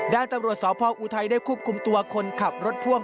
ด้านตำรวจสพออุทัยได้ควบคุมตัวคนขับรถพ่วง